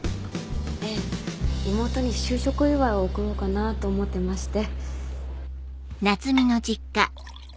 ええ妹に就職祝いを贈ろうかなと思ってまして。